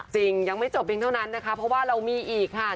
จริงยังไม่จบเพียงเท่านั้นนะคะเพราะว่าเรามีอีกค่ะ